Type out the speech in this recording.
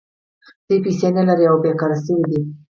دوی پیسې نلري او بېکاره شوي دي